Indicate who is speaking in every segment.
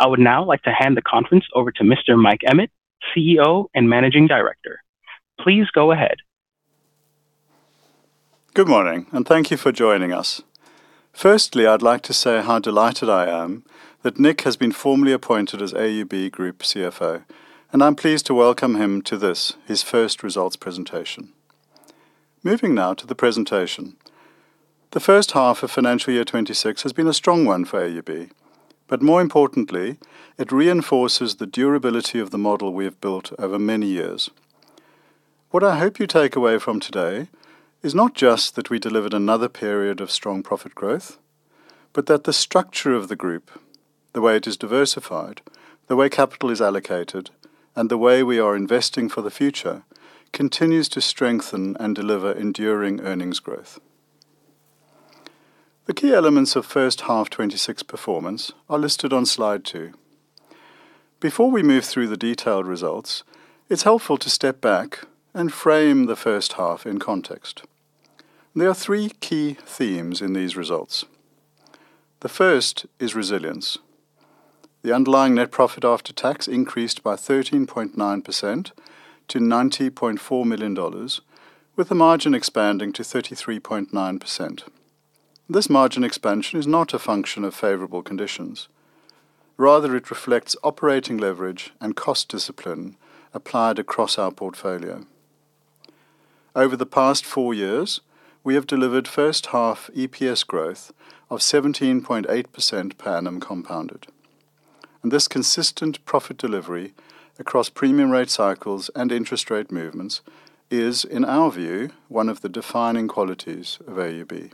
Speaker 1: I would now like to hand the conference over to Mr. Mike Emmett, CEO and Managing Director. Please go ahead.
Speaker 2: Good morning, thank you for joining us. Firstly, I'd like to say how delighted I am that Nick has been formally appointed as AUB Group CFO, and I'm pleased to welcome him to this, his first results presentation. Moving now to the presentation. The H1 FY2026 has been a strong one for AUB, but more importantly, it reinforces the durability of the model we have built over many years. What I hope you take away from today is not just that we delivered another period of strong profit growth, but that the structure of the group, the way it is diversified, the way capital is allocated, and the way we are investing for the future, continues to strengthen and deliver enduring earnings growth. The key elements of H1 FY 2026 performance are listed on Slide 2. Before we move through the detailed results, it's helpful to step back and frame the first half in context. There are three key themes in these results. The first is resilience. The underlying net profit after tax increased by 13.9% to 90.4 million dollars, with the margin expanding to 33.9%. This margin expansion is not a function of favorable conditions. Rather, it reflects operating leverage and cost discipline applied across our portfolio. Over the past 4 years, we have delivered first half EPS growth of 17.8% per annum compounded. This consistent profit delivery across premium rate cycles and interest rate movements is, in our view, one of the defining qualities of AUB.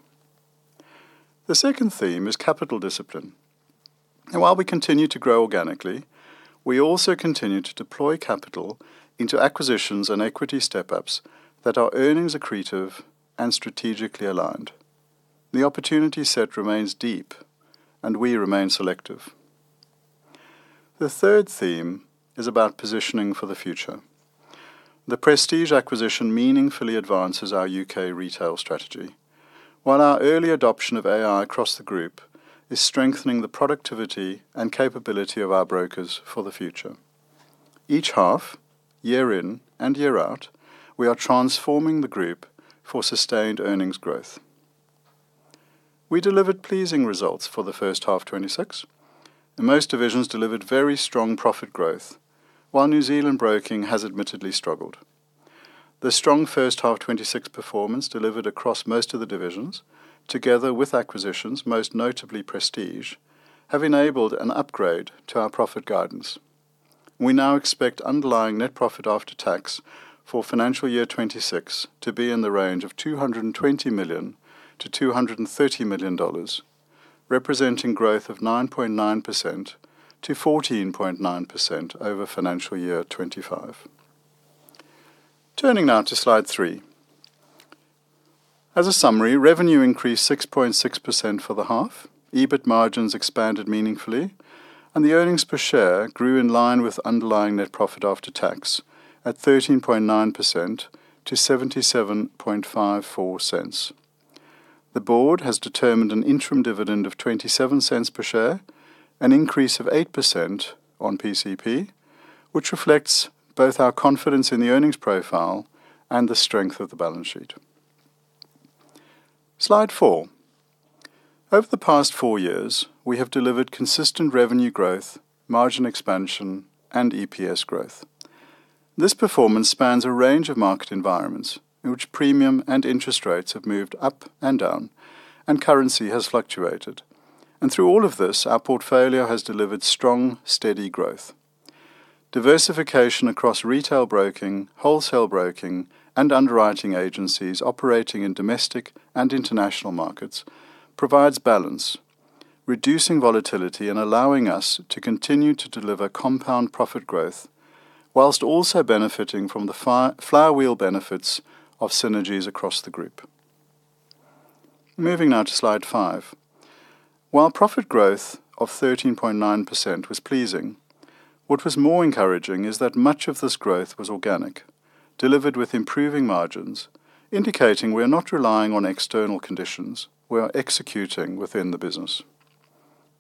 Speaker 2: The second theme is capital discipline. While we continue to grow organically, we also continue to deploy capital into acquisitions and equity step-ups that are earnings accretive and strategically aligned. The opportunity set remains deep, and we remain selective. The third theme is about positioning for the future. The Prestige acquisition meaningfully advances our UK retail strategy, while our early adoption of AI across the group is strengthening the productivity and capability of our brokers for the future. Each half, year in and year out, we are transforming the group for sustained earnings growth. We delivered pleasing results for the first half 2026. Most divisions delivered very strong profit growth, while New Zealand Broking has admittedly struggled. The strong first half 2026 performance delivered across most of the divisions, together with acquisitions, most notably Prestige, have enabled an upgrade to our profit guidance. We now expect underlying net profit after tax for FY 2026 to be in the range of 220 million-230 million dollars, representing growth of 9.9%-14.9% over FY2025. Turning now to Slide 3. As a summary, revenue increased 6.6% for the half, EBIT margins expanded meaningfully, and the EPS grew in line with underlying net profit after tax at 13.9% to 0.7754. The board has determined an interim dividend of 0.27 per share, an increase of 8% on PCP, which reflects both our confidence in the earnings profile and the strength of the balance sheet. Slide 4. Over the past four years, we have delivered consistent revenue growth, margin expansion, and EPS growth. This performance spans a range of market environments in which premium and interest rates have moved up and down, currency has fluctuated. Through all of this, our portfolio has delivered strong, steady growth. Diversification across retail broking, wholesale broking, and underwriting agencies operating in domestic and international markets provides balance, reducing volatility and allowing us to continue to deliver compound profit growth, while also benefiting from the flywheel benefits of synergies across the group. Moving now to Slide 5. While profit growth of 13.9% was pleasing, what was more encouraging is that much of this growth was organic, delivered with improving margins, indicating we are not relying on external conditions, we are executing within the business.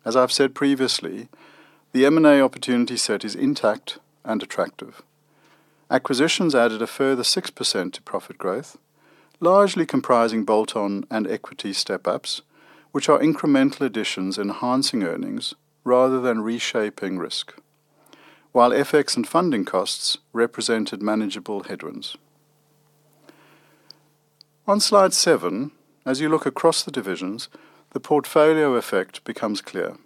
Speaker 2: As I've said previously, the M&A opportunity set is intact and attractive. Acquisitions added a further 6% to profit growth, largely comprising bolt-on and equity step-ups, which are incremental additions enhancing earnings rather than reshaping risk. FX and funding costs represented manageable headwinds. On Slide 7, as you look across the divisions, the portfolio effect becomes clear.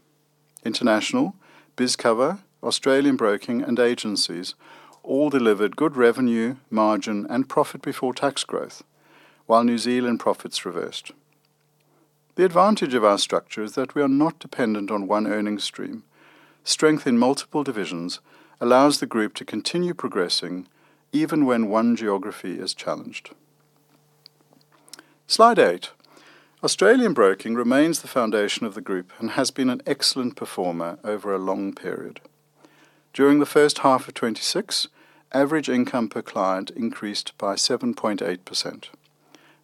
Speaker 2: International, BizCover, Australian Broking, and Agencies all delivered good revenue, margin, and profit before tax growth, while New Zealand profits reversed. The advantage of our structure is that we are not dependent on one earnings stream. Strength in multiple divisions allows the group to continue progressing even when one geography is challenged. Slide 8. Australian Broking remains the foundation of the group and has been an excellent performer over a long period. During the first half of 2026, average income per client increased by 7.8%.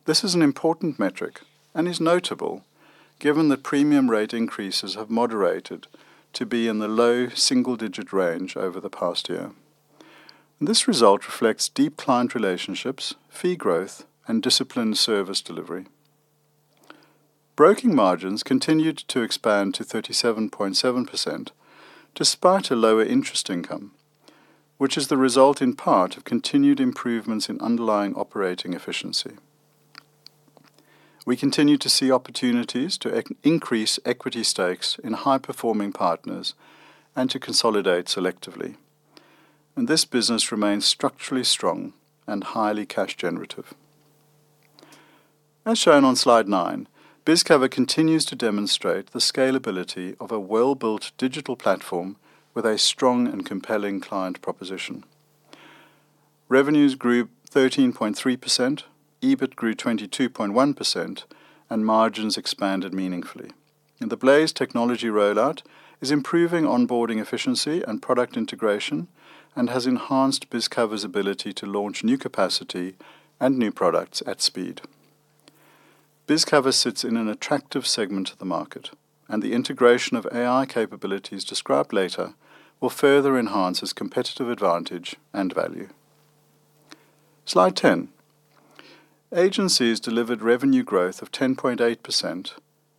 Speaker 2: This is an important metric and is notable, given the premium rate increases have moderated to be in the low single-digit range over the past year. This result reflects deep client relationships, fee growth, and disciplined service delivery. Broking margins continued to expand to 37.7%, despite a lower interest income, which is the result, in part, of continued improvements in underlying operating efficiency. We continue to see opportunities to increase equity stakes in high-performing partners and to consolidate selectively. This business remains structurally strong and highly cash generative. As shown on Slide 9, BizCover continues to demonstrate the scalability of a well-built digital platform with a strong and compelling client proposition. Revenues grew 13.3%, EBIT grew 22.1%. Margins expanded meaningfully. The Blaze technology rollout is improving onboarding efficiency and product integration and has enhanced BizCover's ability to launch new capacity and new products at speed. BizCover sits in an attractive segment of the market, and the integration of AI capabilities described later will further enhance its competitive advantage and value. Slide 10. Agencies delivered revenue growth of 10.8%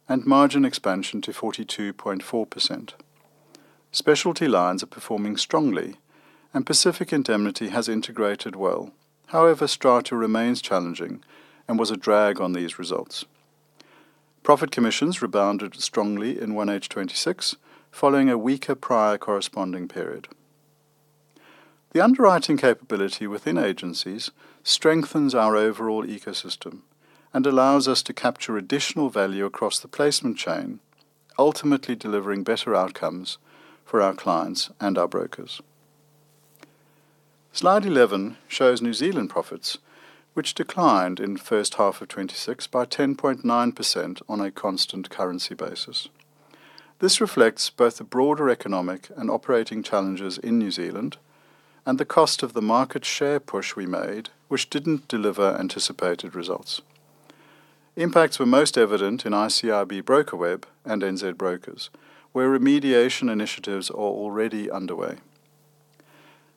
Speaker 2: and margin expansion to 42.4%. Specialty lines are performing strongly, and Pacific Indemnity has integrated well. However, Strata remains challenging and was a drag on these results. Profit commissions rebounded strongly in 1H 2026, following a weaker prior corresponding period. The underwriting capability within agencies strengthens our overall ecosystem and allows us to capture additional value across the placement chain, ultimately delivering better outcomes for our clients and our brokers. Slide 11 shows New Zealand profits, which declined in the first half of 2026 by 10.9% on a constant currency basis. This reflects both the broader economic and operating challenges in New Zealand and the cost of the market share push we made, which didn't deliver anticipated results. Impacts were most evident in ICIB BrokerWeb and NZbrokers, where remediation initiatives are already underway.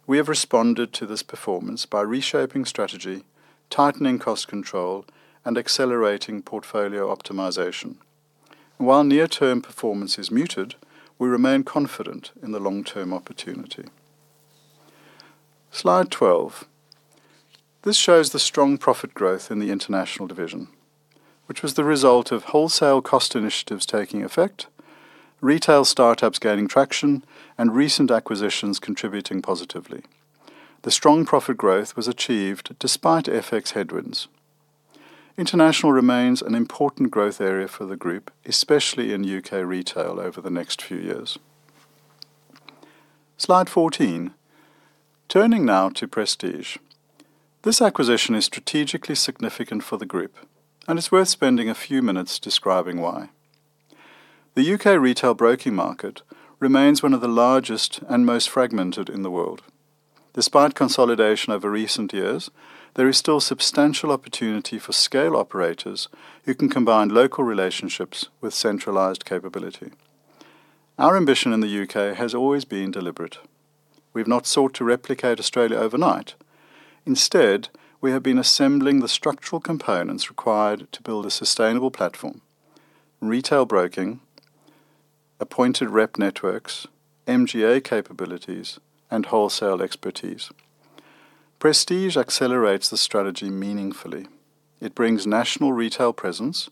Speaker 2: We have responded to this performance by reshaping strategy, tightening cost control, and accelerating portfolio optimization. Near-term performance is muted, we remain confident in the long-term opportunity. Slide 12. This shows the strong profit growth in the international division, which was the result of wholesale cost initiatives taking effect, retail startups gaining traction, and recent acquisitions contributing positively. The strong profit growth was achieved despite FX headwinds. International remains an important growth area for the group, especially in UK retail over the next few years. Slide 14. Turning now to Prestige. This acquisition is strategically significant for the group. It's worth spending a few minutes describing why. The UK retail broking market remains one of the largest and most fragmented in the world. Despite consolidation over recent years, there is still substantial opportunity for scale operators who can combine local relationships with centralized capability. Our ambition in the UK has always been deliberate. We've not sought to replicate Australia overnight. Instead, we have been assembling the structural components required to build a sustainable platform: retail broking, appointed rep networks, MGA capabilities, and wholesale expertise. Prestige accelerates the strategy meaningfully. It brings national retail presence,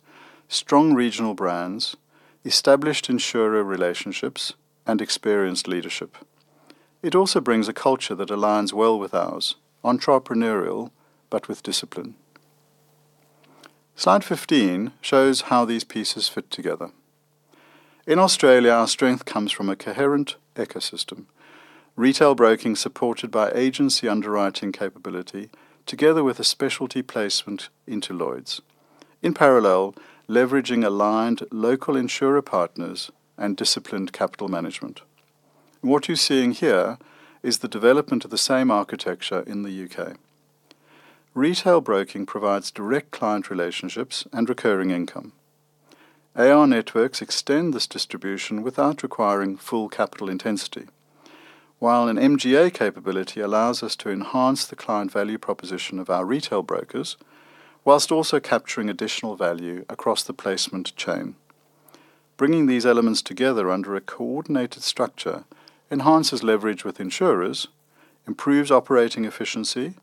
Speaker 2: strong regional brands, established insurer relationships, and experienced leadership. It also brings a culture that aligns well with ours, entrepreneurial, but with discipline. Slide 15 shows how these pieces fit together. In Australia, our strength comes from a coherent ecosystem. Retail broking, supported by agency underwriting capability, together with a specialty placement into Lloyd's. In parallel, leveraging aligned local insurer partners and disciplined capital management. What you're seeing here is the development of the same architecture in the UK. Retail broking provides direct client relationships and recurring income. AR networks extend this distribution without requiring full capital intensity, while an MGA capability allows us to enhance the client value proposition of our retail brokers, whilst also capturing additional value across the placement chain. Bringing these elements together under a coordinated structure enhances leverage with insurers, improves operating efficiency,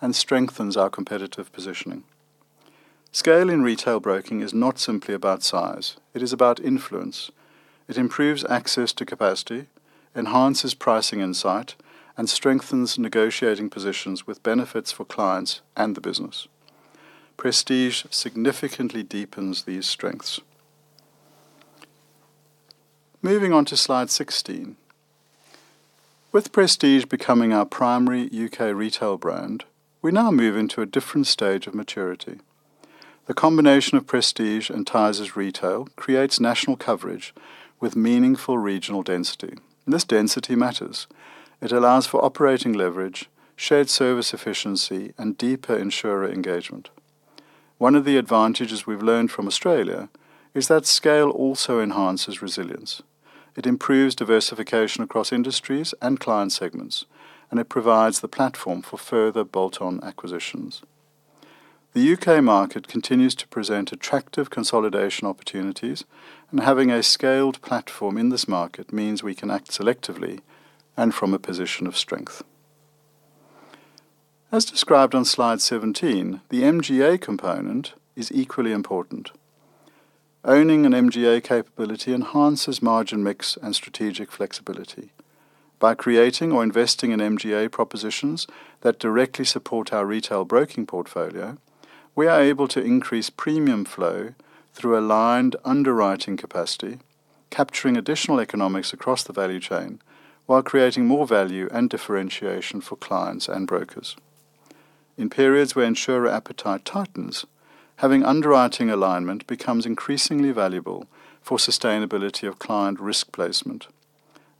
Speaker 2: and strengthens our competitive positioning. Scale in retail broking is not simply about size; it is about influence. It improves access to capacity, enhances pricing insight, and strengthens negotiating positions with benefits for clients and the business. Prestige significantly deepens these strengths. Moving on to Slide 16. With Prestige becoming our primary U.K. retail brand, we now move into a different stage of maturity. The combination of Prestige and Tysers Retail creates national coverage with meaningful regional density, and this density matters. It allows for operating leverage, shared service efficiency, and deeper insurer engagement. One of the advantages we've learned from Australia is that scale also enhances resilience. It improves diversification across industries and client segments, and it provides the platform for further bolt-on acquisitions. The U.K. market continues to present attractive consolidation opportunities, and having a scaled platform in this market means we can act selectively and from a position of strength. As described on Slide 17, the MGA component is equally important. Owning an MGA capability enhances margin mix and strategic flexibility. By creating or investing in MGA propositions that directly support our retail broking portfolio, we are able to increase premium flow through aligned underwriting capacity, capturing additional economics across the value chain, while creating more value and differentiation for clients and brokers. In periods where insurer appetite tightens, having underwriting alignment becomes increasingly valuable for sustainability of client risk placement.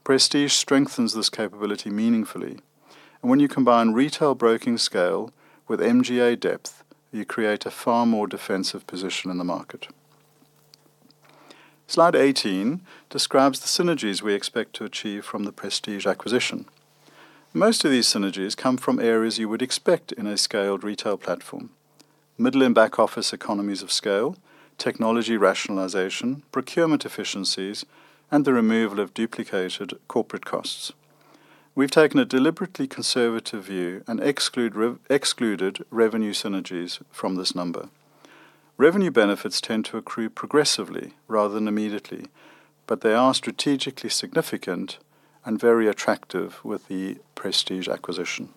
Speaker 2: Prestige strengthens this capability meaningfully, and when you combine retail broking scale with MGA depth, you create a far more defensive position in the market. Slide 18 describes the synergies we expect to achieve from the Prestige acquisition. Most of these synergies come from areas you would expect in a scaled retail platform: middle and back-office economies of scale, technology rationalization, procurement efficiencies, and the removal of duplicated corporate costs. We've taken a deliberately conservative view and excluded revenue synergies from this number. Revenue benefits tend to accrue progressively rather than immediately. They are strategically significant and very attractive with the Prestige acquisition.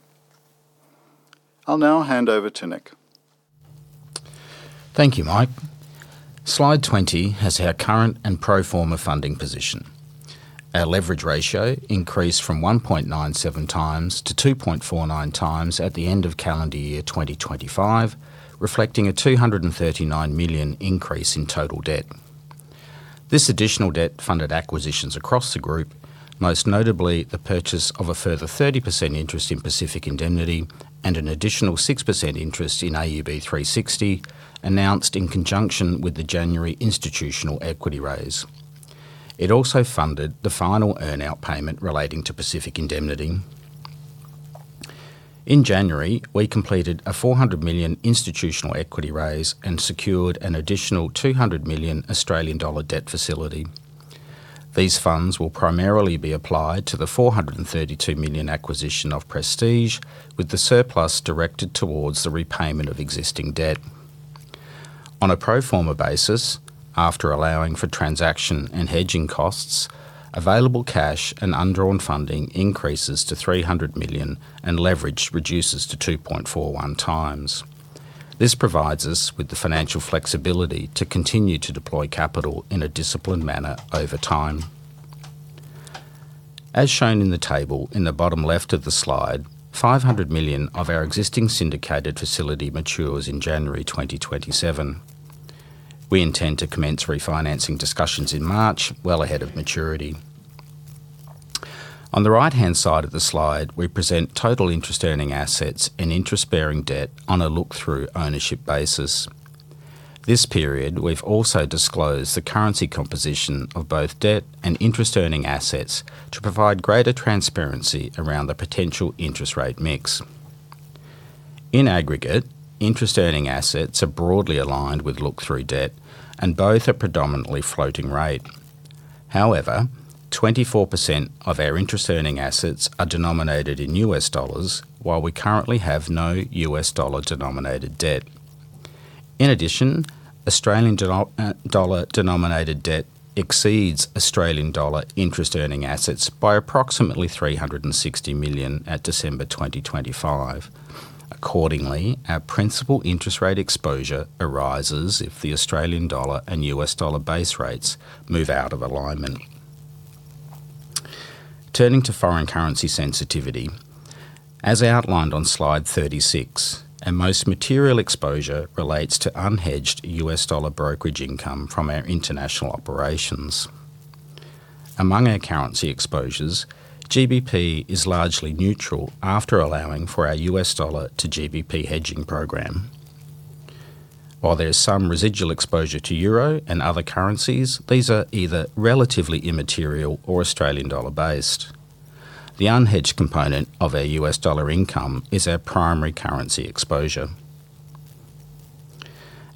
Speaker 2: I'll now hand over to Nick.
Speaker 3: Thank you, Mike. Slide 20 has our current and pro forma funding position. Our leverage ratio increased from 1.97 times to 2.49 times at the end of calendar year 2025, reflecting an 239 million increase in total debt. This additional debt funded acquisitions across the group, most notably the purchase of a further 30% interest in Pacific Indemnity and an additional 6% interest in AUB 360, announced in conjunction with the January institutional equity raise. It also funded the final earn-out payment relating to Pacific Indemnity. In January, we completed an 400 million institutional equity raise and secured an additional 200 million Australian dollar debt facility. These funds will primarily be applied to the 432 million acquisition of Prestige, with the surplus directed towards the repayment of existing debt. On a pro forma basis, after allowing for transaction and hedging costs, available cash and undrawn funding increases to 300 million, and leverage reduces to 2.41x. This provides us with the financial flexibility to continue to deploy capital in a disciplined manner over time. As shown in the table in the bottom left of the slide, 500 million of our existing syndicated facility matures in January 2027. We intend to commence refinancing discussions in March, well ahead of maturity. On the right-hand side of the slide, we present total interest earning assets and interest-bearing debt on a look-through ownership basis. This period, we've also disclosed the currency composition of both debt and interest earning assets to provide greater transparency around the potential interest rate mix. In aggregate, interest earning assets are broadly aligned with look-through debt, and both are predominantly floating rate. However, 24% of our interest earning assets are denominated in US dollars, while we currently have no US dollar-denominated debt. In addition, Australian dollar-denominated debt exceeds Australian dollar interest-earning assets by approximately 360 million at December 2025. Accordingly, our principal interest rate exposure arises if the Australian dollar and US dollar base rates move out of alignment. Turning to foreign currency sensitivity, as outlined on Slide 36, our most material exposure relates to unhedged US dollar brokerage income from our international operations. Among our currency exposures, GBP is largely neutral after allowing for our US dollar to GBP hedging program. While there's some residual exposure to euro and other currencies, these are either relatively immaterial or Australian dollar-based. The unhedged component of our US dollar income is our primary currency exposure.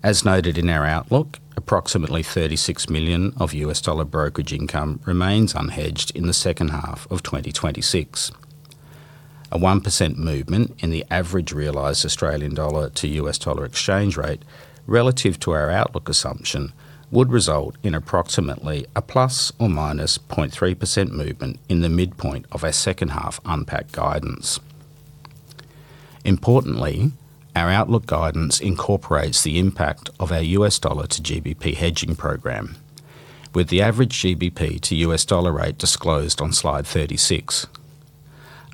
Speaker 3: As noted in our outlook, approximately $36 million of US dollar brokerage income remains unhedged in the second half of 2026. A 1% movement in the average realized Australian dollar to US dollar exchange rate relative to our outlook assumption would result in approximately a plus or minus 0.3% movement in the midpoint of our second-half UNPAT guidance. Importantly, our outlook guidance incorporates the impact of our US dollar to GBP hedging program, with the average GBP to US dollar rate disclosed on Slide 36.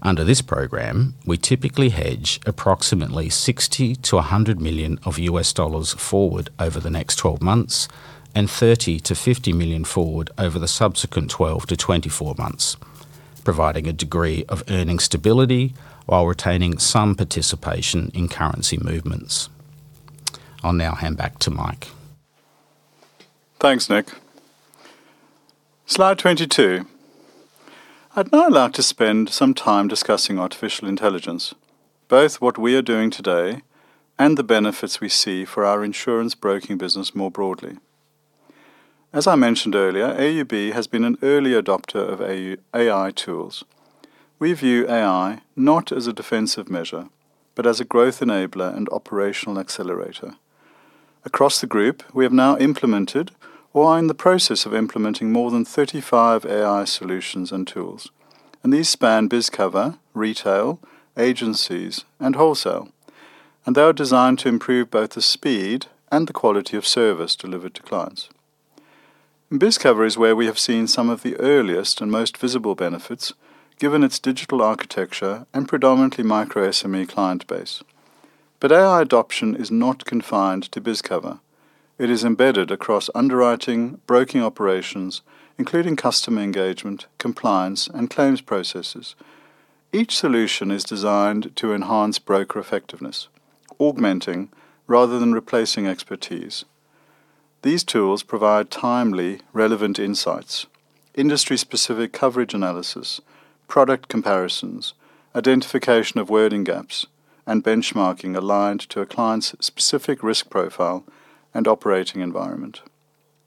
Speaker 3: Under this program, we typically hedge approximately $60 million-$100 million of US dollars forward over the next 12 months and $30 million-$50 million forward over the subsequent 12-24 months, providing a degree of earning stability while retaining some participation in currency movements. I'll now hand back to Mike.
Speaker 2: Thanks, Nick. Slide 22. I'd now like to spend some time discussing artificial intelligence, both what we are doing today and the benefits we see for our insurance broking business more broadly. As I mentioned earlier, AUB has been an early adopter of AI tools. We view AI not as a defensive measure, but as a growth enabler and operational accelerator. Across the group, we have now implemented or are in the process of implementing more than 35 AI solutions and tools. These span BizCover, retail, agencies, and wholesale, and they are designed to improve both the speed and the quality of service delivered to clients. BizCover is where we have seen some of the earliest and most visible benefits, given its digital architecture and predominantly micro SME client base. AI adoption is not confined to BizCover. It is embedded across underwriting, broking operations, including customer engagement, compliance, and claims processes. Each solution is designed to enhance broker effectiveness, augmenting rather than replacing expertise. These tools provide timely, relevant insights, industry-specific coverage analysis, product comparisons, identification of wording gaps, and benchmarking aligned to a client's specific risk profile and operating environment.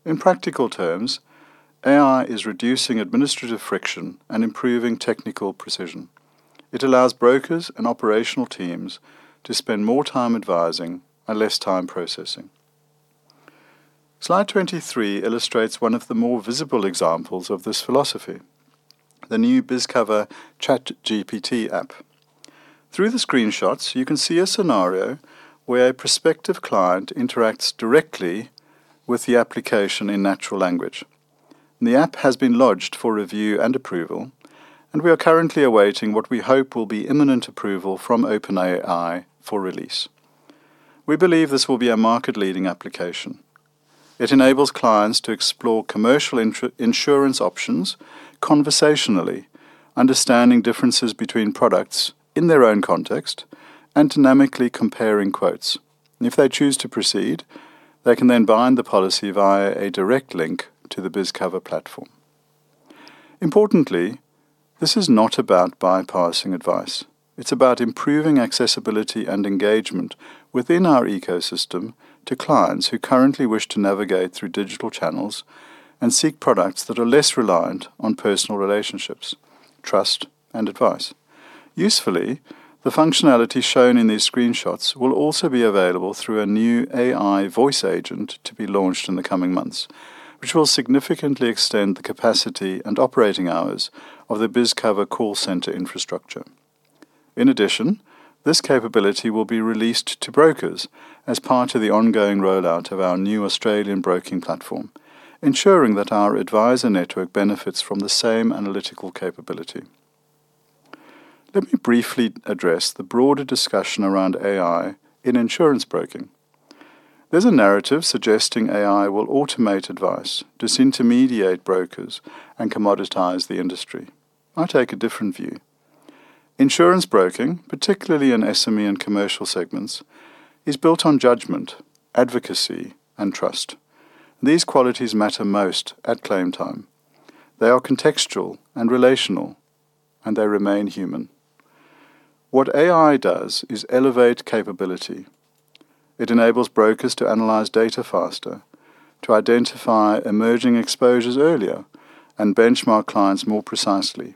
Speaker 2: In practical terms, AI is reducing administrative friction and improving technical precision. It allows brokers and operational teams to spend more time advising and less time processing. Slide 23 illustrates one of the more visible examples of this philosophy, the new BizCover ChatGPT app. Through the screenshots, you can see a scenario where a prospective client interacts directly with the application in natural language. The app has been lodged for review and approval, and we are currently awaiting what we hope will be imminent approval from OpenAI for release. We believe this will be a market-leading application. It enables clients to explore commercial insurance options, conversationally, understanding differences between products in their own context, and dynamically comparing quotes, and if they choose to proceed, they can then bind the policy via a direct link to the BizCover platform. Importantly, this is not about bypassing advice. It's about improving accessibility and engagement within our ecosystem to clients who currently wish to navigate through digital channels and seek products that are less reliant on personal relationships, trust, and advice. Usefully, the functionality shown in these screenshots will also be available through a new AI voice agent to be launched in the coming months, which will significantly extend the capacity and operating hours of the BizCover call center infrastructure. In addition, this capability will be released to brokers as part of the ongoing rollout of our new Australian broking platform, ensuring that our advisor network benefits from the same analytical capability. Let me briefly address the broader discussion around AI in insurance broking. There's a narrative suggesting AI will automate advice, disintermediate brokers, and commoditize the industry. I take a different view. Insurance broking, particularly in SME and commercial segments, is built on judgment, advocacy, and trust. These qualities matter most at claim time. They are contextual and relational, and they remain human. What AI does is elevate capability. It enables brokers to analyze data faster, to identify emerging exposures earlier, and benchmark clients more precisely.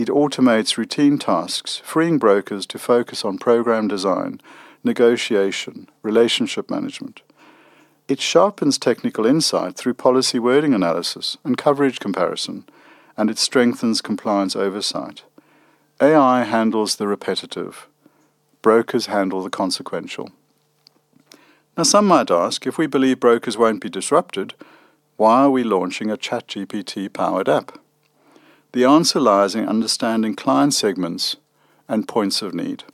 Speaker 2: It automates routine tasks, freeing brokers to focus on program design, negotiation, relationship management. It sharpens technical insight through policy wording analysis and coverage comparison, and it strengthens compliance oversight. AI handles the repetitive; brokers handle the consequential. Some might ask, "If we believe brokers won't be disrupted, why are we launching a ChatGPT-powered app?" The answer lies in understanding client segments and points of need.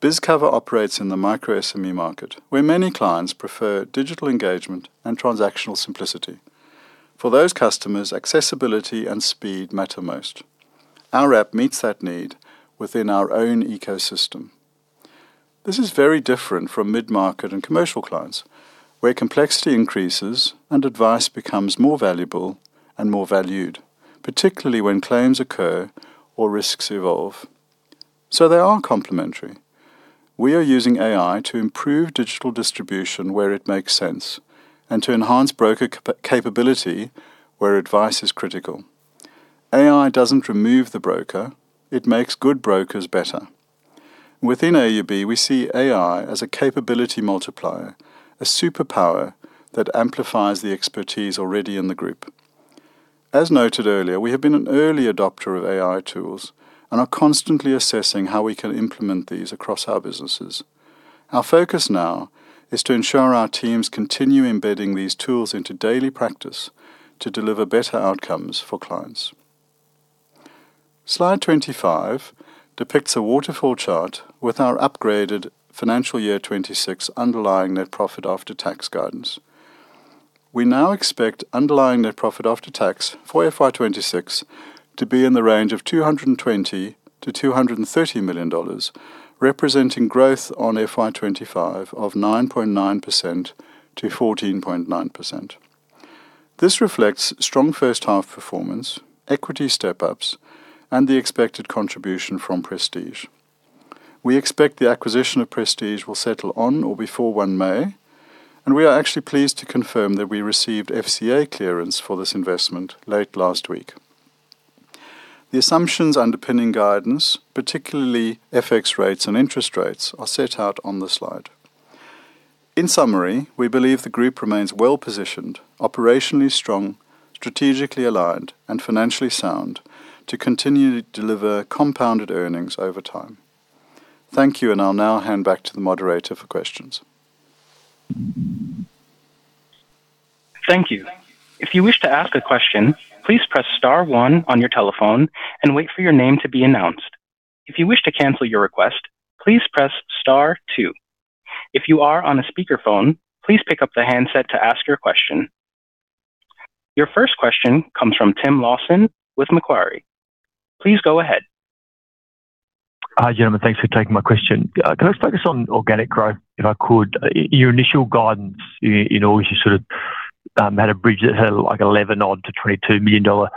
Speaker 2: BizCover operates in the Micro SME market, where many clients prefer digital engagement and transactional simplicity. For those customers, accessibility and speed matter most. Our app meets that need within our own ecosystem. This is very different from mid-market and commercial clients, where complexity increases and advice becomes more valuable and more valued, particularly when claims occur or risks evolve. They are complementary. We are using AI to improve digital distribution where it makes sense and to enhance broker capability where advice is critical. AI doesn't remove the broker; it makes good brokers better. Within AUB, we see AI as a capability multiplier, a superpower that amplifies the expertise already in the group. As noted earlier, we have been an early adopter of AI tools and are constantly assessing how we can implement these across our businesses. Our focus now is to ensure our teams continue embedding these tools into daily practice to deliver better outcomes for clients. Slide 25 depicts a waterfall chart with our upgraded FY 2026 underlying net profit after tax guidance. We now expect underlying net profit after tax for FY 2026 to be in the range of $220 million-$230 million, representing growth on FY 2025 of 9.9%-14.9%. This reflects strong first-half performance, equity step-ups, and the expected contribution from Prestige. We expect the acquisition of Prestige will settle on or before 1 May, and we are actually pleased to confirm that we received FCA clearance for this investment late last week. The assumptions underpinning guidance, particularly FX rates and interest rates, are set out on the slide. In summary, we believe the group remains well-positioned, operationally strong, strategically aligned, and financially sound to continue to deliver compounded earnings over time. Thank you. I'll now hand back to the moderator for questions.
Speaker 1: Thank you. If you wish to ask a question, please press star one on your telephone and wait for your name to be announced. If you wish to cancel your request, please press star two. If you are on a speakerphone, please pick up the handset to ask your question. Your first question comes from Tim Lawson with Macquarie. Please go ahead.
Speaker 4: Hi, gentlemen. Thanks for taking my question. Can I focus on organic growth, if I could? Your initial guidance in August, you sort of had a bridge that had like 11 million odd to 22 million dollar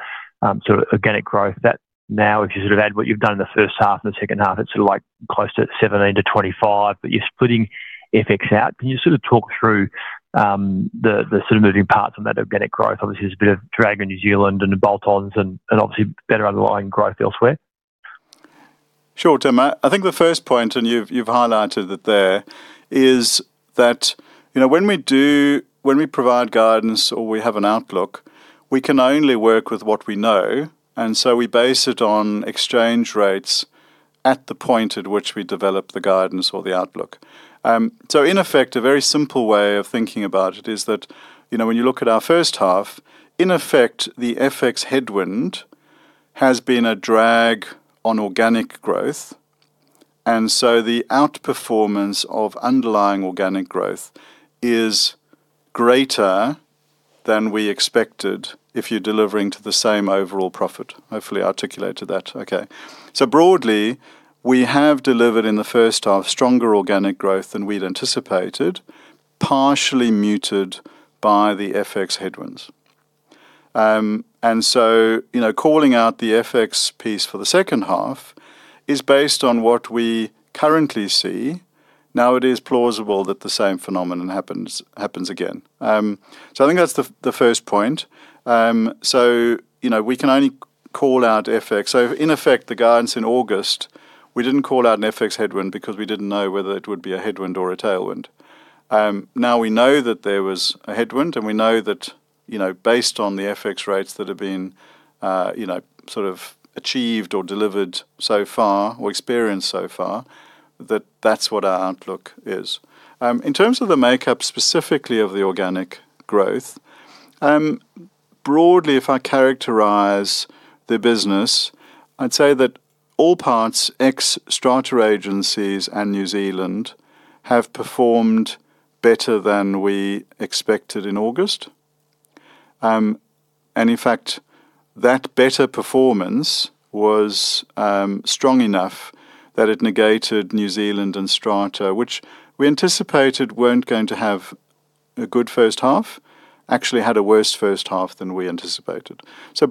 Speaker 4: sort of organic growth. That now, if you sort of add what you've done in the first half and the second half, it's sort of like close to 17 million-25 million, but you're splitting FX out. Can you sort of talk through the, the sort of moving parts on that organic growth? Obviously, there's a bit of drag in New Zealand and the bolt-ons and, and obviously better underlying growth elsewhere.
Speaker 2: Sure, Tim. I think the first point, and you've highlighted it there, is that, you know, when we provide guidance or we have an outlook, we can only work with what we know, and so we base it on exchange rates at the point at which we develop the guidance or the outlook. In effect, a very simple way of thinking about it is that, you know, when you look at our first half, in effect, the FX headwind has been a drag on organic growth, and so the outperformance of underlying organic growth is greater than we expected if you're delivering to the same overall profit. Hopefully, I articulated that okay. Broadly, we have delivered in the first half, stronger organic growth than we'd anticipated, partially muted by the FX headwinds. You know, calling out the FX piece for the second half is based on what we currently see. Now, it is plausible that the same phenomenon happens, happens again. I think that's the first point. You know, we can only call out FX. In effect, the guidance in August, we didn't call out an FX headwind because we didn't know whether it would be a headwind or a tailwind. Now we know that there was a headwind, and we know that, you know, based on the FX rates that have been, you know, sort of achieved or delivered so far or experienced so far, that that's what our outlook is. In terms of the makeup, specifically of the organic growth, broadly, if I characterize the business, I'd say that all parts, ex Strata agencies and New Zealand, have performed better than we expected in August. In fact, that better performance was strong enough that it negated New Zealand and Strata, which we anticipated weren't going to have a good first half, actually had a worse first half than we anticipated.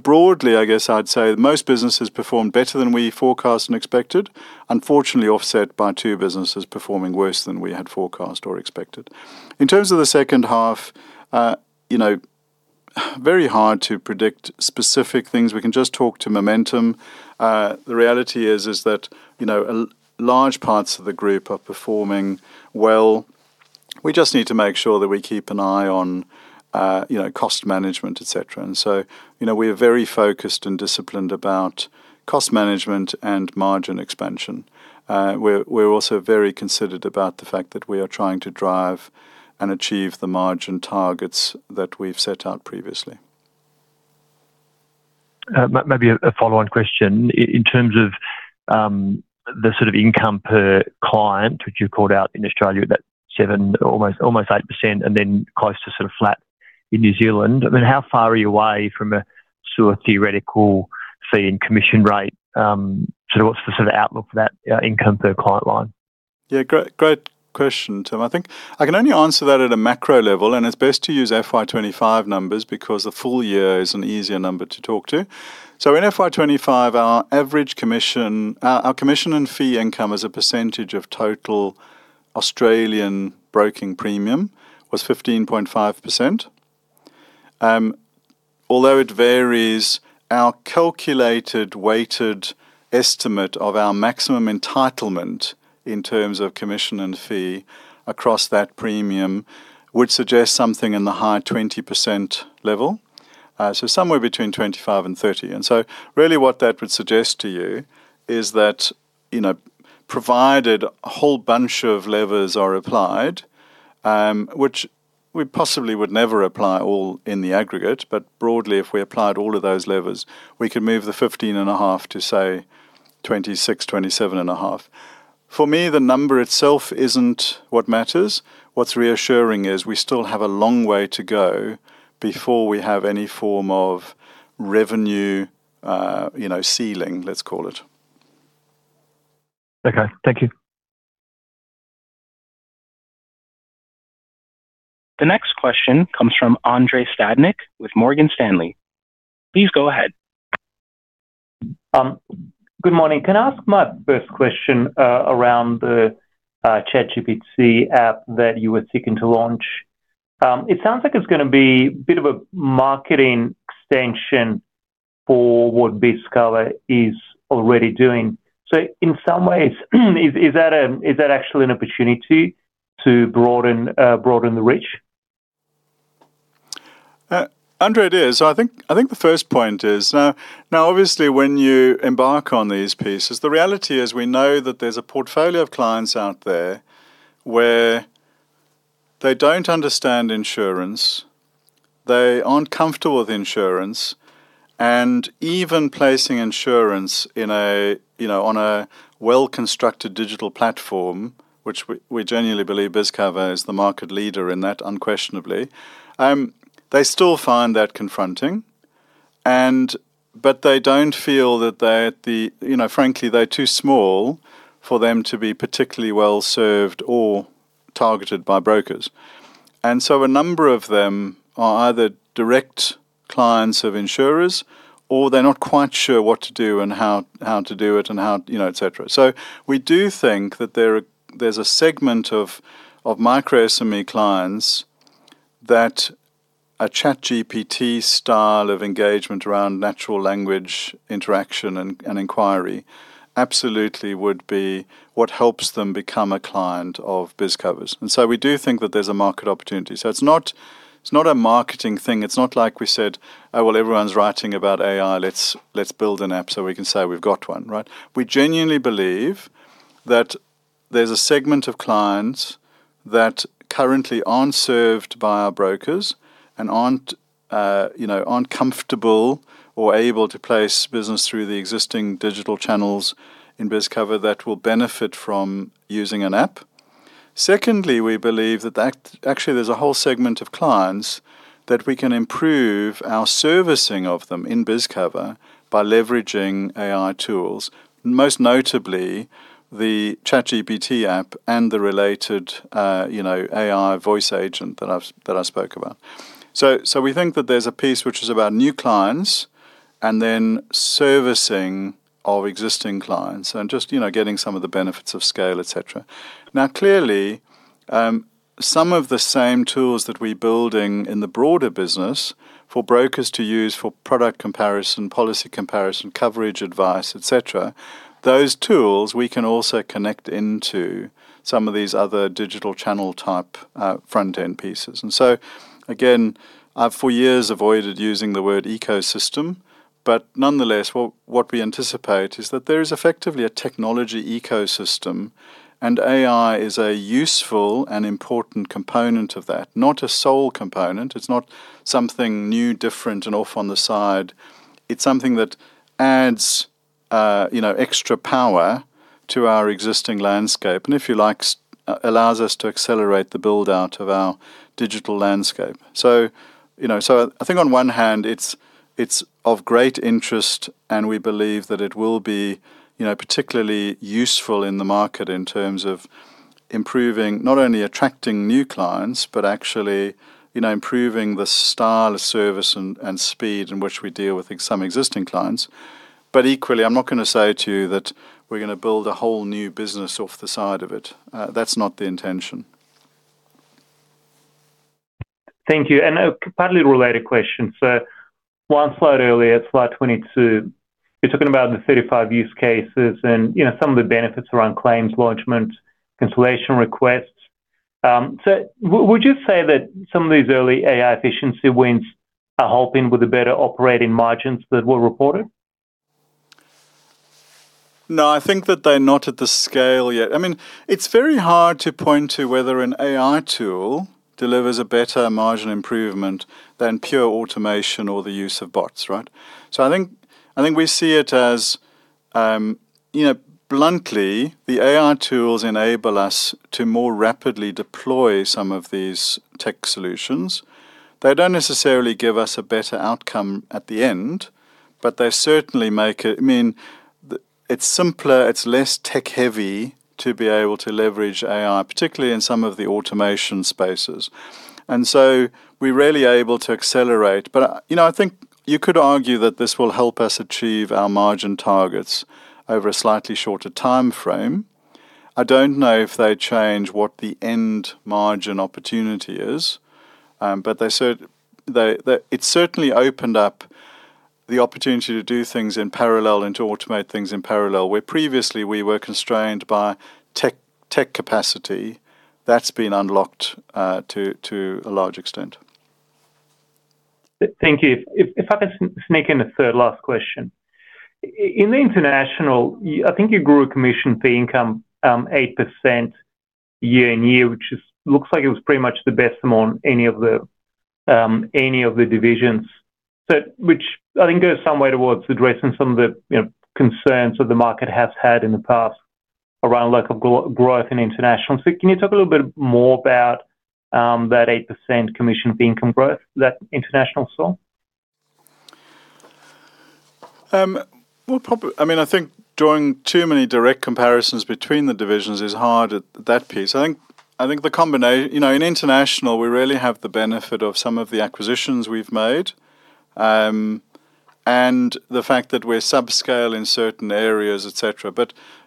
Speaker 2: Broadly, I guess I'd say most businesses performed better than we forecast and expected, unfortunately, offset by two businesses performing worse than we had forecast or expected. In terms of the second half, you know, very hard to predict specific things. We can just talk to momentum. The reality is, is that, you know, large parts of the group are performing well. We just need to make sure that we keep an eye on, you know, cost management, et cetera. You know, we are very focused and disciplined about cost management and margin expansion. We're, we're also very considered about the fact that we are trying to drive and achieve the margin targets that we've set out previously.
Speaker 4: Maybe a follow-on question. In terms of the sort of income per client, which you called out in Australia, about 7, almost 8%, and then close to sort of flat in New Zealand, I mean, how far are you away from a sort of theoretical fee and commission rate? What's the sort of outlook for that income per client line?
Speaker 2: Yeah, great, great question, Tim. I think I can only answer that at a macro level, and it's best to use FY 2025 numbers because a full year is an easier number to talk to. In FY 2025, our average commission, our commission and fee income as a percentage of total Australian Broking premium was 15.5%. Although it varies, our calculated weighted estimate of our maximum entitlement in terms of commission and fee across that premium would suggest something in the high 20% level. Somewhere between 25 and 30. Really what that would suggest to you is that, you know, provided a whole bunch of levers are applied... Which we possibly would never apply all in the aggregate, but broadly, if we applied all of those levers, we could move the 15.5 to, say, 26-27.5. For me, the number itself isn't what matters. What's reassuring is we still have a long way to go before we have any form of revenue, you know, ceiling, let's call it.
Speaker 4: Okay. Thank you.
Speaker 1: The next question comes from Andrei Stadnik with Morgan Stanley. Please go ahead.
Speaker 5: Good morning. Can I ask my first question around the ChatGPT app that you were seeking to launch? It sounds like it's gonna be a bit of a marketing extension for what BizCover is already doing. In some ways, is, is that a, is that actually an opportunity to broaden, broaden the reach?
Speaker 2: Andre, it is. I think, I think the first point is. Now, now, obviously, when you embark on these pieces, the reality is we know that there's a portfolio of clients out there where they don't understand insurance, they aren't comfortable with insurance, and even placing insurance in a, you know, on a well-constructed digital platform, which we, we genuinely believe BizCover is the market leader in that, unquestionably. They still find that confronting, but they don't feel that they're the. You know, frankly, they're too small for them to be particularly well served or targeted by brokers. A number of them are either direct clients of insurers, or they're not quite sure what to do and how, how to do it and how, you know, et cetera. We do think that there are, there's a segment of, of Micro SME clients that a ChatGPT style of engagement around natural language interaction and, and inquiry absolutely would be what helps them become a client of BizCover. We do think that there's a market opportunity. It's not, it's not a marketing thing. It's not like we said, "Oh, well, everyone's writing about AI, let's, let's build an app so we can say we've got one," right? We genuinely believe that there's a segment of clients that currently aren't served by our brokers and aren't, you know, aren't comfortable or able to place business through the existing digital channels in BizCover that will benefit from using an app. Secondly, we believe that actually, there's a whole segment of clients that we can improve our servicing of them in BizCover by leveraging AI tools, most notably the ChatGPT app and the related, you know, AI voice agent that I spoke about. We think that there's a piece which is about new clients and then servicing our existing clients and just, you know, getting some of the benefits of scale, et cetera. Clearly, some of the same tools that we're building in the broader business for brokers to use for product comparison, policy comparison, coverage, advice, et cetera, those tools, we can also connect into some of these other digital channel type, front-end pieces. Again, I've for years avoided using the word ecosystem, but nonetheless, what we anticipate is that there is effectively a technology ecosystem, and AI is a useful and important component of that. Not a sole component. It's not something new, different, and off on the side. It's something that adds, you know, extra power to our existing landscape, and if you like, allows us to accelerate the build-out of our digital landscape. You know, so I think on one hand, it's, it's of great interest, and we believe that it will be, you know, particularly useful in the market in terms of improving... Not only attracting new clients, but actually, you know, improving the style of service and, and speed in which we deal with some existing clients. Equally, I'm not gonna say to you that we're gonna build a whole new business off the side of it. That's not the intention.
Speaker 5: Thank you. A partly related question. One slide earlier, Slide 22, you're talking about the 35 use cases and, you know, some of the benefits around claims, lodgement, cancellation requests. Would you say that some of these early AI efficiency wins are helping with the better operating margins that were reported?
Speaker 2: I think that they're not at the scale yet. I mean, it's very hard to point to whether an AI tool delivers a better margin improvement than pure automation or the use of bots, right? I think, I think we see it as, you know, bluntly, the AI tools enable us to more rapidly deploy some of these tech solutions. They don't necessarily give us a better outcome at the end. They certainly make it... I mean, it's simpler, it's less tech-heavy to be able to leverage AI, particularly in some of the automation spaces. We're really able to accelerate. You know, I think you could argue that this will help us achieve our margin targets over a slightly shorter timeframe. I don't know if they change what the end margin opportunity is, but they, they, it certainly opened up the opportunity to do things in parallel and to automate things in parallel, where previously we were constrained by tech capacity. That's been unlocked, to, to a large extent.
Speaker 5: Thank you. If I can sneak in a third last question. In the international, I think you grew a commission fee income 8% year-on-year, which looks like it was pretty much the best among any of the divisions. Which I think goes some way towards addressing some of the, you know, concerns that the market has had in the past around local growth and international. Can you talk a little bit more about that 8% commission fee income growth that international saw?
Speaker 2: Well, I mean, I think drawing too many direct comparisons between the divisions is hard at that piece. I think, I think, you know, in international, we really have the benefit of some of the acquisitions we've made, and the fact that we're subscale in certain areas, et cetera.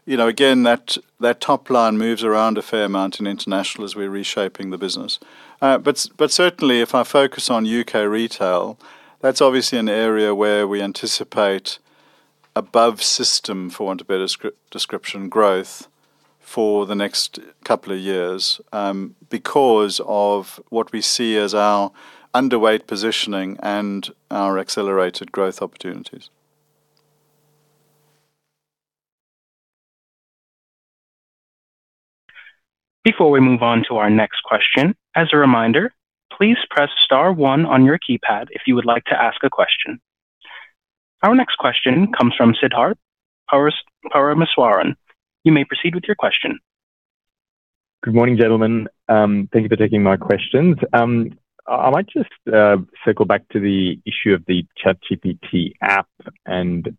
Speaker 2: You know, again, that, that top line moves around a fair amount in international as we're reshaping the business. Certainly, if I focus on UK retail, that's obviously an area where we anticipate above system for want of better description growth for the next couple of years, because of what we see as our underweight positioning and our accelerated growth opportunities.
Speaker 1: Before we move on to our next question, as a reminder, please press star one on your keypad if you would like to ask a question. Our next question comes from Siddharth Parameswaran. You may proceed with your question.
Speaker 6: Good morning, gentlemen. Thank you for taking my questions. I might just circle back to the issue of the ChatGPT app and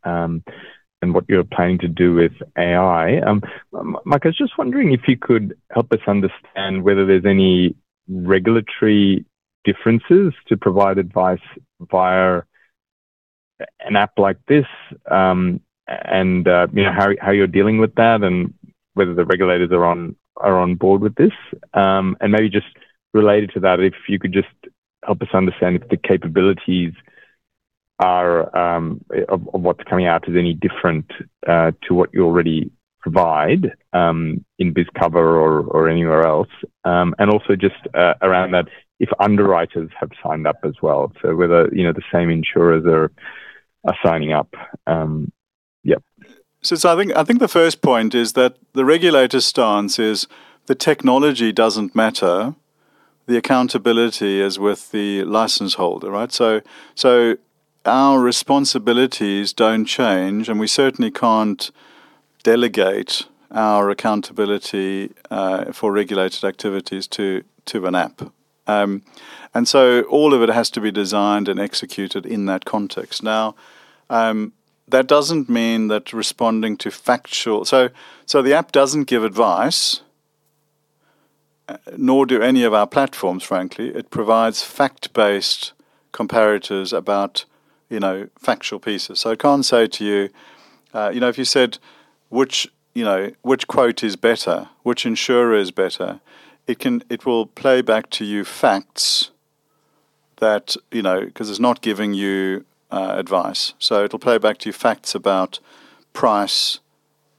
Speaker 6: what you're planning to do with AI. Mike, I was just wondering if you could help us understand whether there's any regulatory differences to provide advice via an app like this, and, you know, how you're dealing with that and whether the regulators are on board with this. Maybe just related to that, if you could just help us understand if the capabilities are of what's coming out, is any different to what you already provide in BizCover or anywhere else. Also just around that, if underwriters have signed up as well, so whether, you know, the same insurers are signing up.
Speaker 2: I think, I think the first point is that the regulator's stance is the technology doesn't matter. The accountability is with the license holder, right? So our responsibilities don't change, and we certainly can't delegate our accountability for regulated activities to, to an app. All of it has to be designed and executed in that context. Now, that doesn't mean that responding to factual... So the app doesn't give advice, nor do any of our platforms, frankly. It provides fact-based comparators about, you know, factual pieces. It can't say to you, you know, if you said, which, you know, "Which quote is better? Which insurer is better?" It will play back to you facts that, you know, 'cause it's not giving you advice. It'll play back to you facts about price,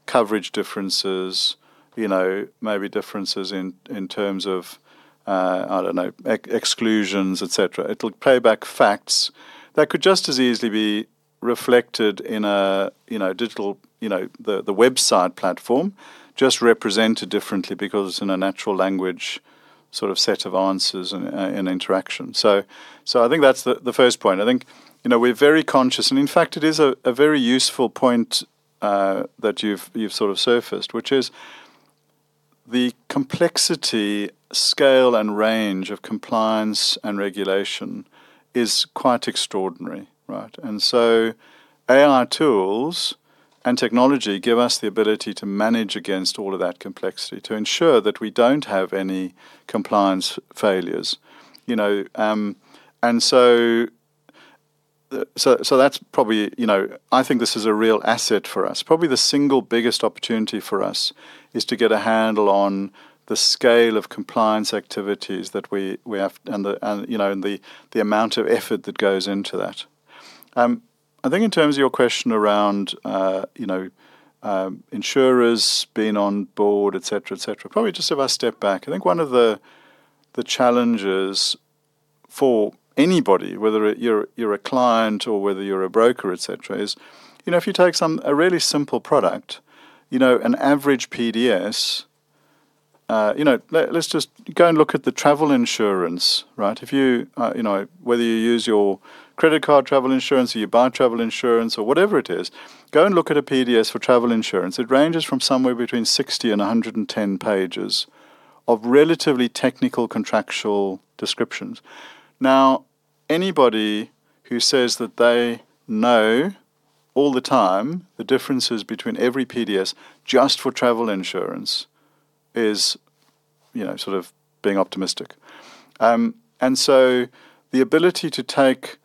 Speaker 2: coverage differences, you know, maybe differences in, in terms of, I don't know, e-exclusions, et cetera. It'll play back facts that could just as easily be reflected in a, you know, digital, you know, the website platform, just represented differently because in a natural language, sort of set of answers and interaction. I think that's the first point. I think, you know, we're very conscious, and in fact, it is a very useful point that you've, you've sort of surfaced, which is the complexity, scale, and range of compliance and regulation is quite extraordinary, right? AI tools and technology give us the ability to manage against all of that complexity to ensure that we don't have any compliance failures, you know, that's probably... You know, I think this is a real asset for us. Probably the single biggest opportunity for us is to get a handle on the scale of compliance activities that we, we have and the, and, you know, and the, the amount of effort that goes into that. I think in terms of your question around, you know, insurers being on board, et cetera, et cetera, probably just if I step back, I think one of the challenges for anybody, whether you're, you're a client or whether you're a broker, et cetera, is, you know, if you take a really simple product, you know, an average PDS, you know, let's just go and look at the travel insurance, right? If you, you know, whether you use your credit card travel insurance, or you buy travel insurance or whatever it is, go and look at a PDS for travel insurance. It ranges from somewhere between 60 and 110 pages of relatively technical, contractual descriptions. Now, anybody who says that they know all the time the differences between every PDS just for travel insurance is, you know, sort of being optimistic. So the ability to take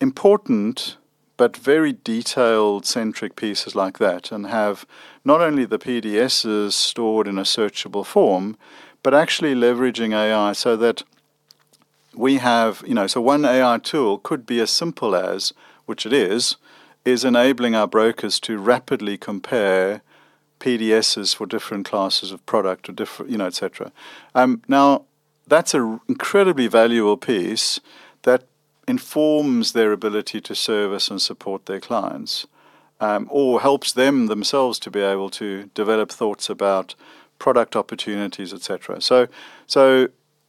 Speaker 2: important but very detailed centric pieces like that and have not only the PDSs stored in a searchable form, but actually leveraging AI so that we have... You know, so one AI tool could be as simple as, which it is, is enabling our brokers to rapidly compare PDSs for different classes of product or different, you know, et cetera. Now, that's a incredibly valuable piece that informs their ability to service and support their clients, or helps them themselves to be able to develop thoughts about product opportunities, et cetera.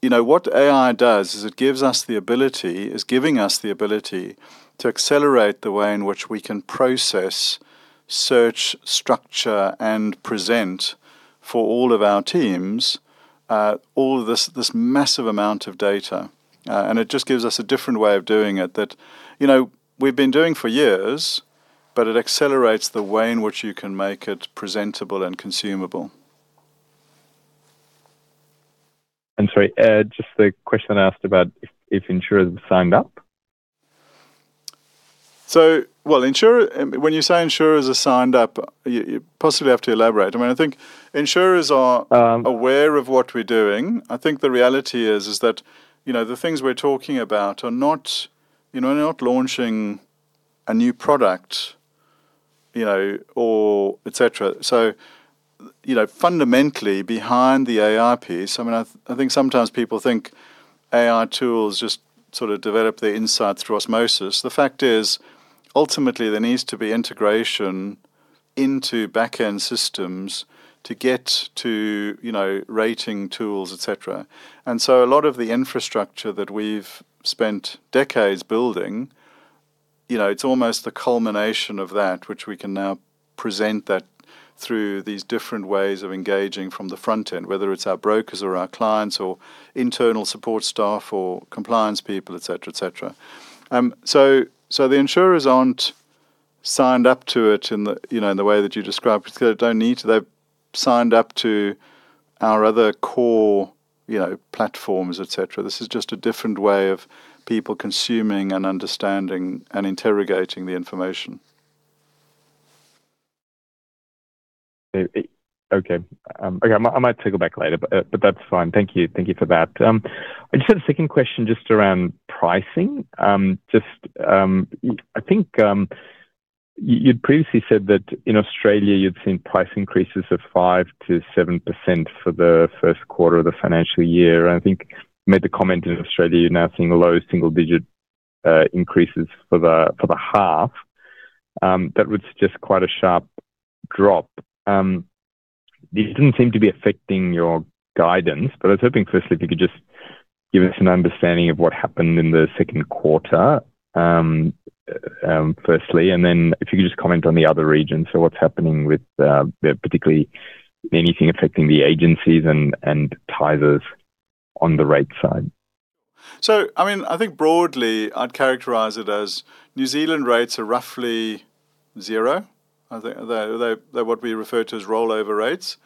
Speaker 2: You know, what AI does is it gives us the ability-- is giving us the ability to accelerate the way in which we can process, search, structure, and present for all of our teams, all of this, this massive amount of data. It just gives us a different way of doing it that, you know, we've been doing for years, but it accelerates the way in which you can make it presentable and consumable.
Speaker 6: I'm sorry, just the question asked about if, if insurers have signed up?
Speaker 2: Well, insurer... When you say insurers are signed up, you possibly have to elaborate. I mean, I think insurers are aware of what we're doing. I think the reality is, is that, you know, the things we're talking about are not, you know, not launching a new product, you know, or et cetera. You know, fundamentally behind the AI piece, I mean, I, I think sometimes people think AI tools just sort of develop their insights through osmosis. The fact is, ultimately, there needs to be integration into back-end systems to get to, you know, rating tools, et cetera. A lot of the infrastructure that we've spent decades building, you know, it's almost the culmination of that, which we can now present that through these different ways of engaging from the front end, whether it's our brokers or our clients or internal support staff or compliance people, et cetera, et cetera. So the insurers aren't signed up to it in the, you know, in the way that you described, because they don't need to. They've signed up to our other core, you know, platforms, et cetera. This is just a different way of people consuming and understanding and interrogating the information.
Speaker 6: Okay, okay, I, I might circle back later, but that's fine. Thank you. Thank you for that. I just had a second question just around pricing. I think you, you'd previously said that in Australia, you've seen price increases of 5% to 7% for the Q1 of the financial year. I think you made the comment in Australia, you're now seeing low single-digit increases for the, for the half. That would suggest quite a sharp drop. It didn't seem to be affecting your guidance, but I was hoping, firstly, if you could just give us an understanding of what happened in the Q2, firstly, and then if you could just comment on the other regions. What's happening with particularly anything affecting the agencies and, and Tysers on the rate side?
Speaker 2: I mean, I think broadly, I'd characterize it as New Zealand rates are roughly 0. I think they're, they're what we refer to as rollover rates.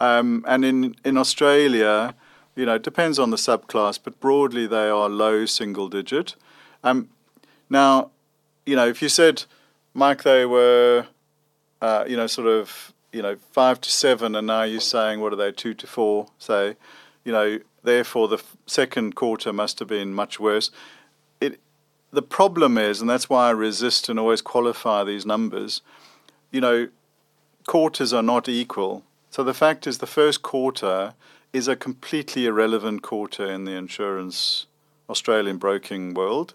Speaker 2: And in Australia, you know, it depends on the subclass, but broadly, they are low single-digit. Now, you know, if you said, "Mike, they were, you know, sort of, you know, 5-7, and now you're saying, what are they? 2-4." Therefore, you know, the Q2 must have been much worse. The problem is, and that's why I resist and always qualify these numbers, you know, quarters are not equal. The fact is, the Q1 is a completely irrelevant quarter in the insurance Australian broking world,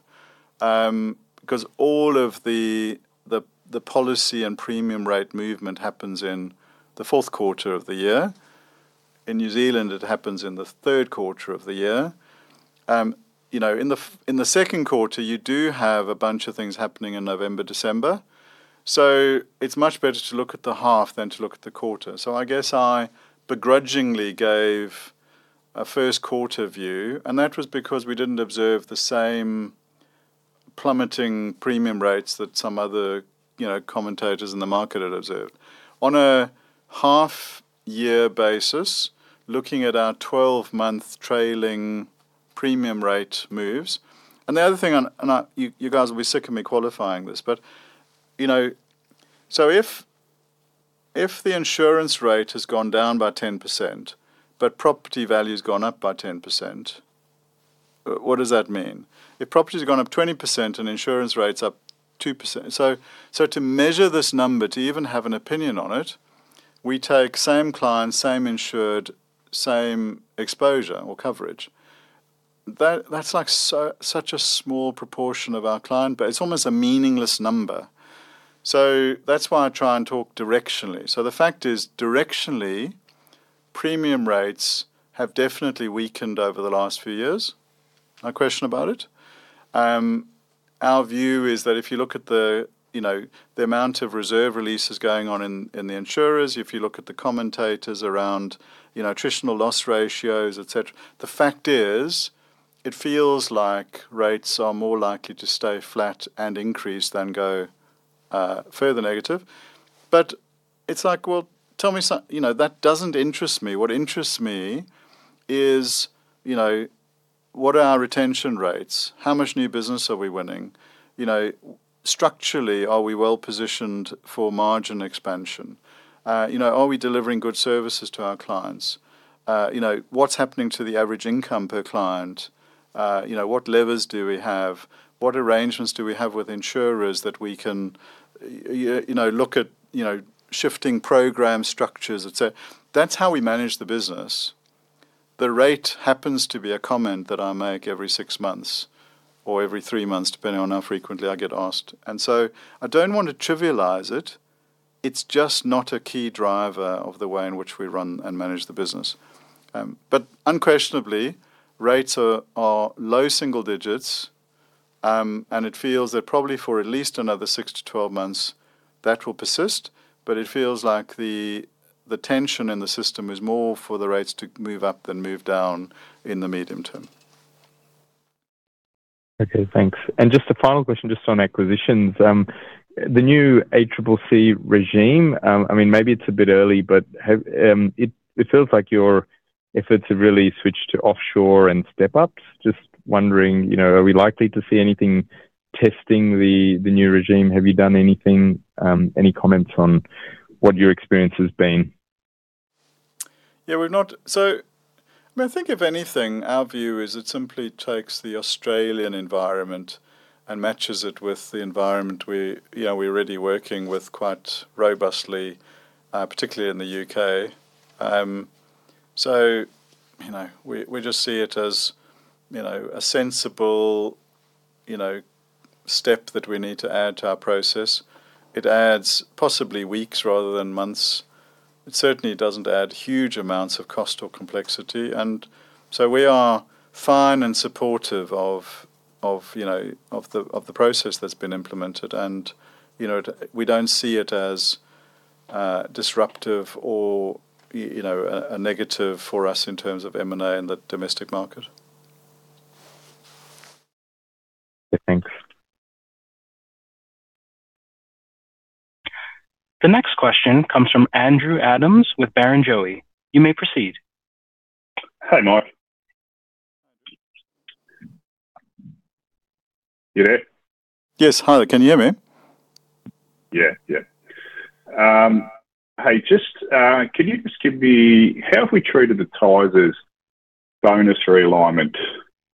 Speaker 2: because all of the, the, the policy and premium rate movement happens in the Q4 of the year. In New Zealand, it happens in the Q3 of the year. You know, in the Q2, you do have a bunch of things happening in November, December, so it's much better to look at the half than to look at the quarter. I guess I begrudgingly gave a Q1 view, and that was because we didn't observe the same plummeting premium rates that some other, you know, commentators in the market had observed. On a half year basis, looking at our 12-month trailing premium rate moves. The other thing, and I, you, you guys will be sick of me qualifying this, but, you know, so if, if the insurance rate has gone down by 10%, but property value's gone up by 10%, what does that mean? If property's gone up 20% and insurance rates up 2%. To measure this number, to even have an opinion on it, we take same client, same insured, same exposure or coverage. That's like such a small proportion of our client base. It's almost a meaningless number. That's why I try and talk directionally. The fact is, directionally, premium rates have definitely weakened over the last few years. No question about it. Our view is that if you look at the, you know, the amount of reserve releases going on in the insurers, if you look at the commentators around, you know, attritional loss ratios, et cetera, the fact is, it feels like rates are more likely to stay flat and increase than go further negative. It's like, well, tell me. You know, that doesn't interest me. What interests me is, you know, what are our retention rates? How much new business are we winning? You know, structurally, are we well-positioned for margin expansion? You know, are we delivering good services to our clients? You know, what's happening to the average income per client? You know, what levers do we have? What arrangements do we have with insurers that we can, you know, look at, you know, shifting program structures, et cetera. That's how we manage the business. The rate happens to be a comment that I make every 6 months or every 3 months, depending on how frequently I get asked. I don't want to trivialize it. It's just not a key driver of the way in which we run and manage the business. Unquestionably, rates are, are low single digits, and it feels that probably for at least another 6 to 12 months, that will persist, but it feels like the, the tension in the system is more for the rates to move up than move down in the medium term.
Speaker 6: Okay, thanks. Just a final question, just on acquisitions. The new ACCC regime, I mean, maybe it's a bit early, but have, it, it feels like your efforts have really switched to offshore and step-ups. Just wondering, you know, are we likely to see anything testing the new regime? Have you done anything? Any comments on what your experience has been?
Speaker 2: Yeah, I mean, I think if anything, our view is it simply takes the Australian environment and matches it with the environment we, you know, we're already working with quite robustly, particularly in the UK. You know, we, we just see it as, you know, a sensible, you know, step that we need to add to our process. It adds possibly weeks rather than months. It certainly doesn't add huge amounts of cost or complexity, and so we are fine and supportive of, you know, of the process that's been implemented, and, you know, we don't see it as disruptive or, you know, a negative for us in terms of M&A in the domestic market.
Speaker 6: Thanks.
Speaker 1: The next question comes from Andrew Adams with Barrenjoey. You may proceed.
Speaker 7: Hi, Mike. You there?
Speaker 2: Yes. Hi, can you hear me?
Speaker 7: Yeah, yeah. Hey, just, can you just give me? How have we treated the Tysers bonus realignment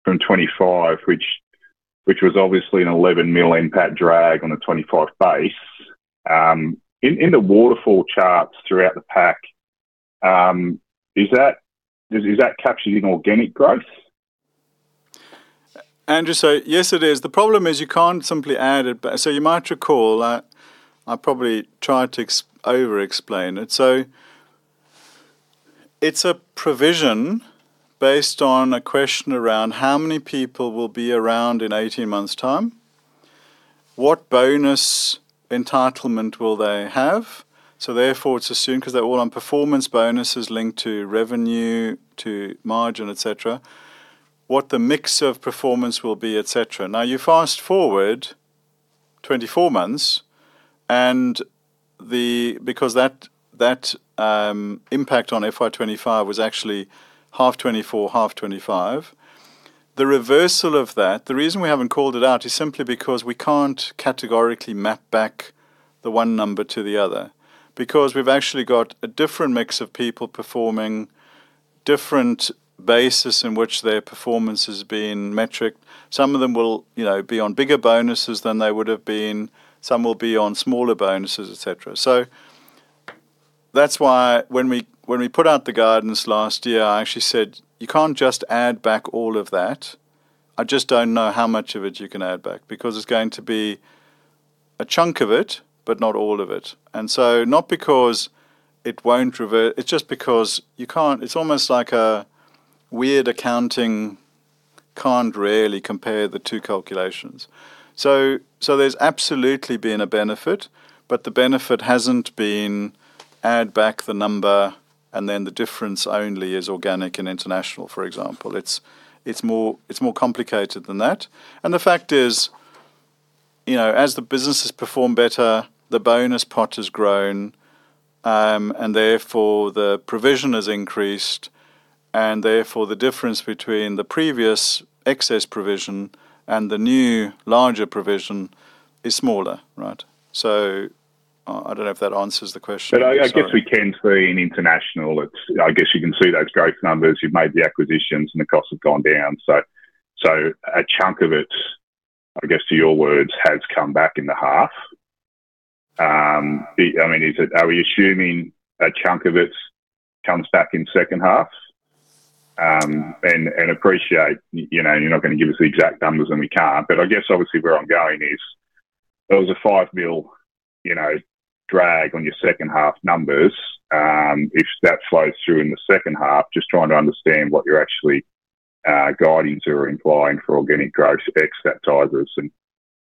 Speaker 7: from 25, which was obviously an 11 mil NPAT drag on a 25 base, in the waterfall charts throughout the pack? Is that captured in organic growth?
Speaker 2: Andrew, yes, it is. The problem is you can't simply add it back. You might recall that I probably tried to overexplain it. It's a provision based on a question around how many people will be around in 18 months time, what bonus entitlement will they have? Therefore, it's assumed, 'cause they're all on performance bonuses linked to revenue, to margin, et cetera, what the mix of performance will be, et cetera. Now, you fast-forward 24 months and because that, that impact on FY 2025 was actually half 2024, half 2025. The reversal of that, the reason we haven't called it out, is simply because we can't categorically map back the 1 number to the other. Because we've actually got a different mix of people performing different basis in which their performance has been metriced. Some of them will, you know, be on bigger bonuses than they would have been, some will be on smaller bonuses, et cetera. That's why when we, when we put out the guidance last year, I actually said, "You can't just add back all of that. I just don't know how much of it you can add back, because it's going to be a chunk of it, but not all of it." Not because it won't revert, it's just because you can't... It's almost like a weird accounting, can't really compare the two calculations. There's absolutely been a benefit, but the benefit hasn't been add back the number, and then the difference only is organic and international, for example. It's, it's more, it's more complicated than that. The fact is, you know, as the business has performed better, the bonus pot has grown, and therefore, the provision has increased, and therefore, the difference between the previous excess provision and the new larger provision is smaller, right? I, I don't know if that answers the question.
Speaker 7: I, I guess we can see in international, it's-- I guess you can see those growth numbers. You've made the acquisitions, and the costs have gone down. So a chunk of it, I guess, to your words, has come back in the half. The, I mean, is it- are we assuming a chunk of it comes back in second half? And appreciate, you know, you're not gonna give us the exact numbers and we can't, but I guess obviously where I'm going is, there was a 5 million, you know, drag on your second half numbers. If that flows through in the second half, just trying to understand what you're actually guidances are implying for organic growth ex that Tysers and,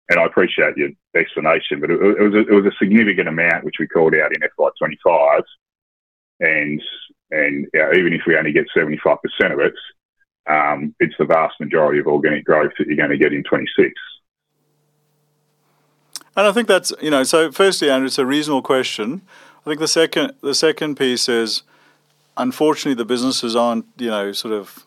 Speaker 7: and I appreciate your explanation, but it, it was a, it was a significant amount which we called out in FY 2025. And, even if we only get 75% of it, it's the vast majority of organic growth that you're gonna get in 2026.
Speaker 2: I think that's, you know, firstly, Andrew, it's a reasonable question. I think the second, the second piece is, unfortunately, the businesses aren't, you know, sort of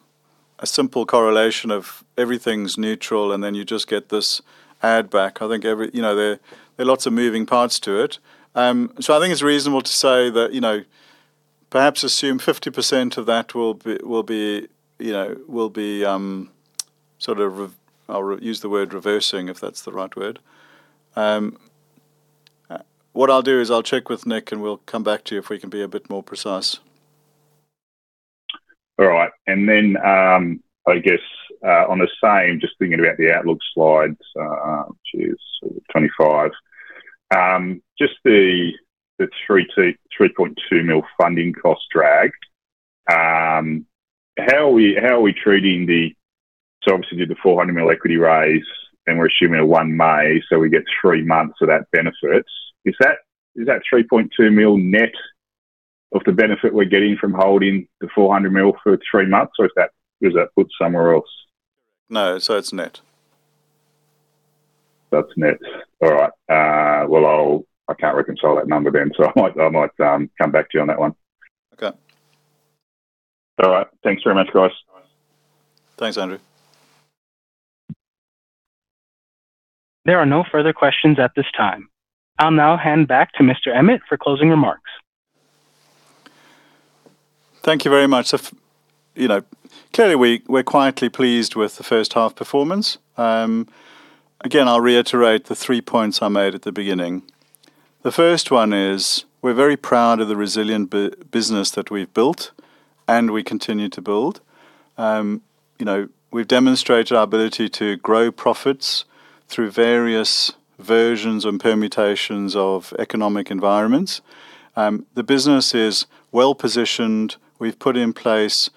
Speaker 2: a simple correlation of everything's neutral, and then you just get this add back. I think every, you know, there, there are lots of moving parts to it. I think it's reasonable to say that, you know, perhaps assume 50% of that will be, will be, you know, will be, sort of I'll use the word reversing, if that's the right word. What I'll do is I'll check with Nick, and we'll come back to you if we can be a bit more precise.
Speaker 7: All right. I guess, on the same, just thinking about the outlook slides, which is 25. Just the 3.2 million funding cost drag, how are we, how are we treating the-- Obviously, did the 400 million equity raise, and we're assuming a 1 May, so we get 3 months of that benefits. Is that, is that 3.2 million net of the benefit we're getting from holding the 400 million for 3 months, or is that, is that put somewhere else?
Speaker 2: No, so it's net.
Speaker 7: That's net. All right. Well, I'll I can't reconcile that number then, so I might, I might, come back to you on that one.
Speaker 2: Okay.
Speaker 7: All right. Thanks very much, guys.
Speaker 2: Thanks, Andrew.
Speaker 1: There are no further questions at this time. I'll now hand back to Mr. Emmett for closing remarks.
Speaker 2: Thank you very much. You know, clearly, we, we're quietly pleased with the first half performance. Again, I'll reiterate the three points I made at the beginning. The first one is, we're very proud of the resilient business that we've built, and we continue to build. You know, we've demonstrated our ability to grow profits through various versions and permutations of economic environments. The business is well-positioned. We've put in place,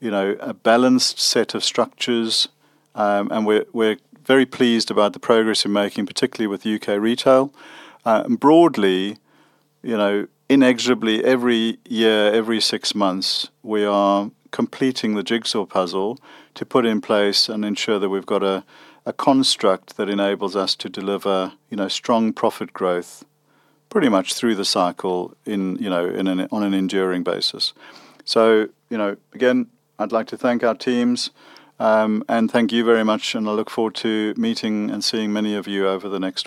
Speaker 2: you know, a balanced set of structures, and we're, we're very pleased about the progress we're making, particularly with UK retail. Broadly, you know, inexorably, every year, every six months, we are completing the jigsaw puzzle to put in place and ensure that we've got a, a construct that enables us to deliver, you know, strong profit growth pretty much through the cycle in, you know, in an, on an enduring basis. You know, again, I'd like to thank our teams, and thank you very much, and I look forward to meeting and seeing many of you over the next month.